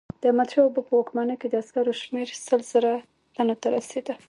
د احمدشاه بابا په واکمنۍ کې د عسکرو شمیر سل زره تنو ته رسېده.